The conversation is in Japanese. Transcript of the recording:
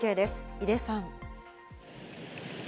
井手さん。